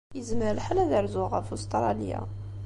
Yezmer lḥal ad rzuɣ ɣef Ustṛalya.